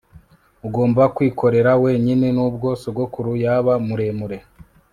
Ugomba kwikorera wenyine nubwo sogokuru yaba muremure